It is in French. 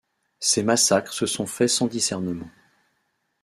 Ces massacres se sont faits sans discernement.